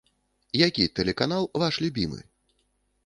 Які тэлеканал ваш любімы?